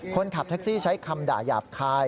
คนขับแท็กซี่ใช้คำด่าหยาบคาย